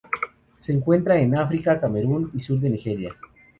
Se encuentran en África: Camerún y sur de Nigeria.